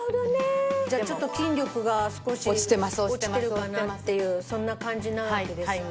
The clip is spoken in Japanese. じゃあちょっと筋力が少し落ちてるかなっていうそんな感じなわけですよね。